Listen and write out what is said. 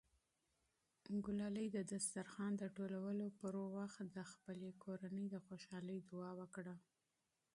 ګلالۍ د دسترخوان د ټولولو پر مهال د خپلې کورنۍ د خوشحالۍ دعا وکړه.